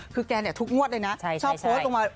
คือแกเนี่ยทุกงวดเลยนะชอบโพสต์ลงมา